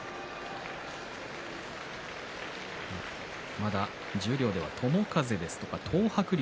まだ十両では友風ですとか東白龍